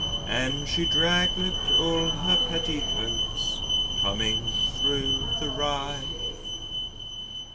"And she draiglet all her petticoatie, Coming thro' the rye."